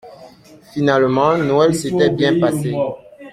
Finalement, Noël s’était bien passé.